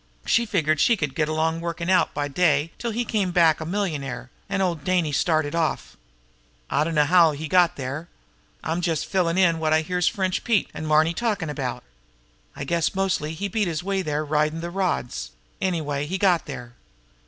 She figured she could get along workin' out by the day till he came back a millionaire; an' old Dainey started off. "I dunno how he got there. I'm just fillin' in what I hears French Pete an' Marny talkin' about. I guess mostly he beat his way there ridin' the rods; but, anyway, he got there.